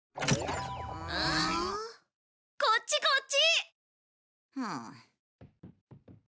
こっちこっち！